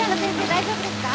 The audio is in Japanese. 大丈夫ですか？